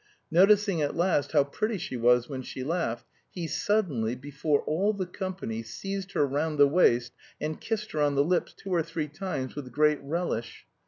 Noticing at last how pretty she was when she laughed, he suddenly, before all the company, seized her round the waist and kissed her on the lips two or three times with great relish.